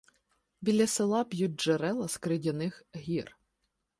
Біля села б'ють джерела з крейдяних гір.